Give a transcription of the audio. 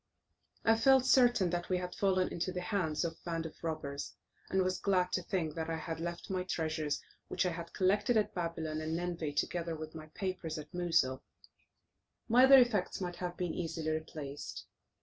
I felt certain that we had fallen into the hands of a band of robbers, and was glad to think that I had left my treasures which I had collected at Babylon and Nineveh, together with my papers, at Mosul; my other effects might have been easily replaced.